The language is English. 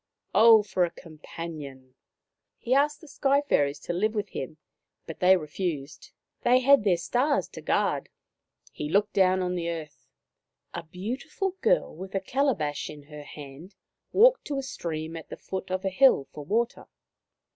Oh, for a companion !" He asked the Sky fairies to live with him, but 139 i4o Maorlland Fairy Tales they refused ; they had their stars to guard. He looked down on the earth. A beautiful girl with a calabash in her hand walked to a stream at the foot of a hill for water.